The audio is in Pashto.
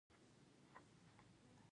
په هڅه او هاند سره هر هدف ترلاسه کېږي.